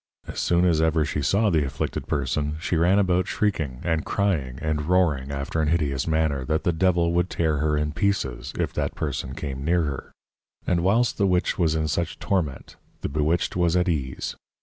As soon as ever she saw the Afflicted Person, she ran about shrieking, and crying, and roaring after an hideous manner, that the Devil would tear her in pieces, if that person came near her. And whilst the Witch was in such Torment, the Bewitched was at ease.